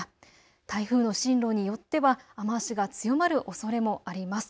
台風の進路によっては雨足が強まるおそれもあります。